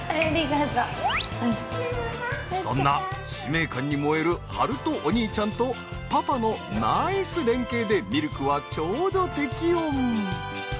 そんな使命感に燃える遥斗お兄ちゃんとパパのナイス連携でミルクはちょうど適温。